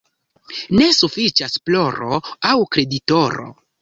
Ne sufiĉas ploro al kreditoro.